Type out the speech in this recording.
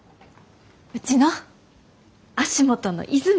うちの足元の泉！